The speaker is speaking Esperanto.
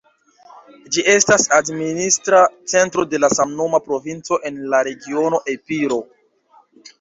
Ĝi estas administra centro de la samnoma provinco en la regiono Epiro.